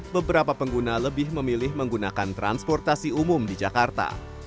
beberapa pengguna lebih memilih menggunakan transportasi umum di jakarta